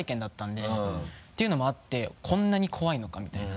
というのもあってこんなに怖いのかみたいな。